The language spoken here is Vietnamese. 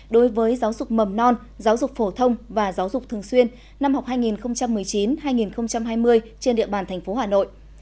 đối với giáo dục mầm non giáo dục phổ thông và giáo dục thường xuyên năm học hai nghìn một mươi chín hai nghìn hai mươi trên địa bàn thành phố hà nội